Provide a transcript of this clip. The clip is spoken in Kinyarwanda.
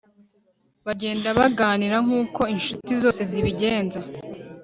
bagenda baganira nkuko inshuti zose zibigenza